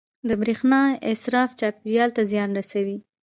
• د برېښنا اسراف چاپېریال ته زیان رسوي.